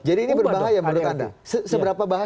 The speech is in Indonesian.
jadi ini berbahaya menurut anda